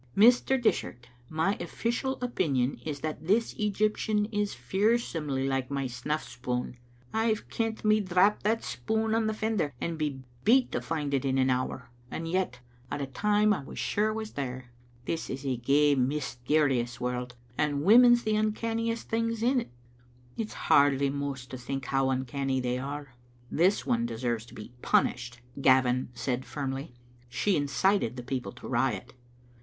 Mr. Dishart, my official opinion is that this Egyptian is fearsomely like my snuff spoon. I've kent me drap that spoon on the fen der, and be beat to find it in an hour. And yet, a' the time I was sure it was there. This is a gey mysterious world, and women's the uncanniest things in't. It's hardly mous to think how uncanny they are." "This one deserves to be punished," Gavin said, firmly ;" she incited the people to riot.